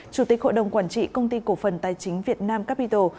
chủ tịch hội đồng quản trị công ty cổ phần tài chính việt nam capital